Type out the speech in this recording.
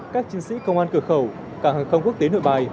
các chiến sĩ công an cửa khẩu cảng hàng không quốc tế nội bài